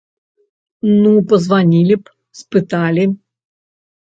Ну пазванілі б, спыталі.